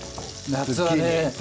夏はね。